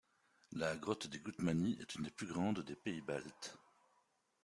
La grotte de Gutmanis est une des plus grandes des Pays baltes.